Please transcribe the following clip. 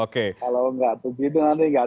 kalau nggak begitu nanti nggak